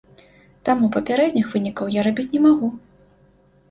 Таму папярэдніх вынікаў я рабіць не магу.